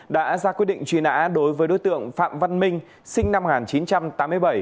đã ra quyết định truy nã đối với đối tượng phạm văn minh sinh năm một nghìn chín trăm tám mươi bảy